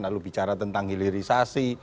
lalu bicara tentang hilirisasi